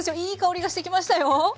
いい香りがしてきましたよ。